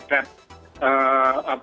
transisi energi bersih